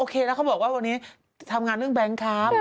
แล้วเขาบอกว่าวันนี้ทำงานเรื่องแบงค์ครับ